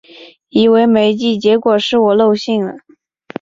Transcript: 以为没寄，结果是我漏信了